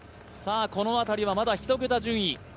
この辺りはまだ１桁順位。